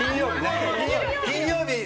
金曜日ね。